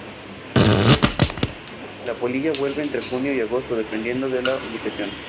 La polilla vuela entre junio y agosto dependiendo de la ubicación.